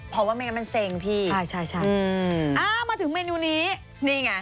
เพราะว่าไม่งั้นมันเซ็งพี่ใช่ใช่อืมอ่ามาถึงเมนูนี้นี่ไง